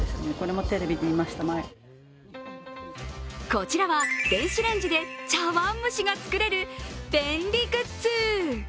こちらは電子レンジで茶わん蒸しが作れる便利グッズ。